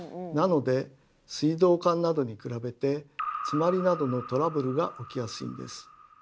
なので水道管などに比べて詰まりなどのトラブルが起きやすいんです。